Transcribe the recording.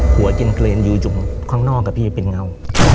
หัวกินเกรนอยู่อยู่ข้างนอกกับพี่เป็นเงา